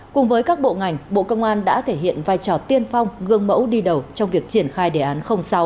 cùng với các bộ ngành bộ công an đã thể hiện vai trò tiên phong gương mẫu đi đầu trong việc triển khai đề án sáu